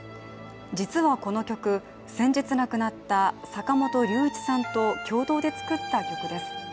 実はこの曲、先日亡くなった坂本龍一さんと共同で作った曲です。